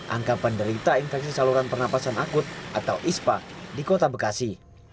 angka penderita infeksi saluran pernapasan akut atau ispa di kota bekasi